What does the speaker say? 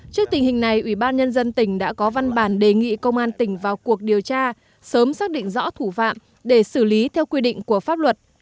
trước tình hình này ủy ban nhân dân tỉnh đã có văn bản đề nghị công an tỉnh vào cuộc điều tra sớm xác định rõ thủ phạm để xử lý theo quy định của pháp luật